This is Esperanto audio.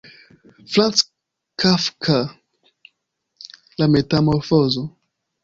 Franz Kafka: La metamorfozo.